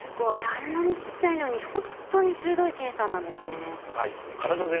あんなにちっちゃいのにほんとに鋭いセンサーなんですね。